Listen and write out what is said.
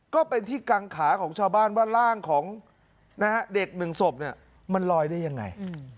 ก็เป็นที่กังขาของชาวบ้านว่าร่างของเด็กหนึ่งศพมันลอยได้ยังไง